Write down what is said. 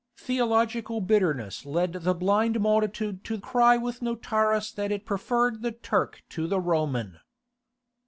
Theological bitterness led the blind multitude to cry with Notaras that it preferred the Turk to the Roman.